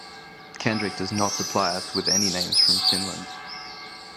Kendrick does not supply us with any names from Finland.